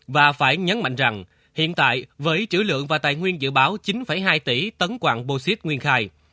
và phải nhấn mạnh rằng hiện tại với chữ lượng và tài nguyên dự báo chín hai tỷ tấn quạng bô xít nguyên khai